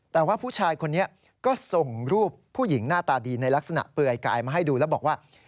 แต่ว่าผู้ชายคนนี้ก็ส่งรูปผู้หญิงหน้าตาดีในลักษณะเปลือยกายมาให้ดูแล้วบอกว่า